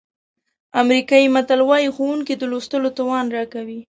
امریکایي متل وایي ښوونکي د لوستلو توان راکوي.